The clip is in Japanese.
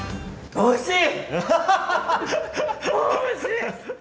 おいしい！